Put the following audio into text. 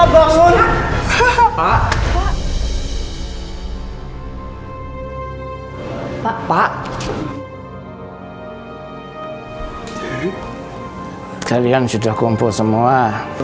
bapak sudah minta